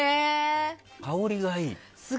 香りがいい。